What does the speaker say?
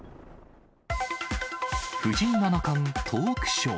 藤井七冠、トークショー。